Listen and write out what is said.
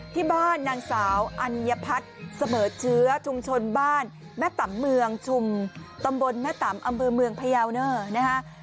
ที่บ้านนางสาวอัญพัฒน์เสมอเชื้อชุมชนบ้านแม่ต่ำเมืองชุมตำบลแม่ตำอำเภอเมืองพยาวเนอร์นะคะ